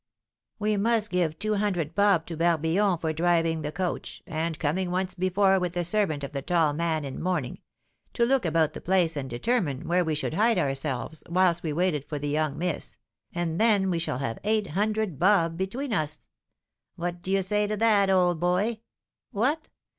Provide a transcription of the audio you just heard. We must give two hundred 'bob' to Barbillon for driving the coach, and coming once before with the servant of the tall man in mourning, to look about the place and determine where we should hide ourselves whilst we waited for the young miss; and then we shall have eight hundred 'bob' between us. What do you say to that old boy? What!